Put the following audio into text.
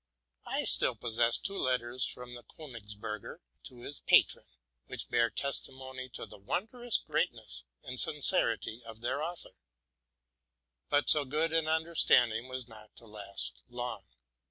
I still possess two letters from the Konigsberger to his patron, which bear testimony to the wondrous greatness and _ sin cerity of their author. But so good an understanding was not to last long.